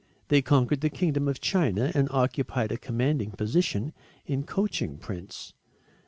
They conquered the kingdom of china and occupied a commanding position in coaching prints.